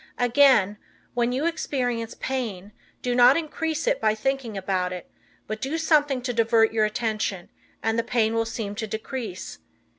Again, when you experience pain, do not increase it by thinking about it, but do something to divert your attention, and the pain will seem to decrease.